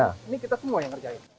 ini kita semua yang ngerjain